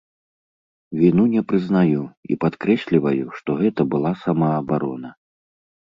Віну не прызнаю і падкрэсліваю, што гэта была самаабарона.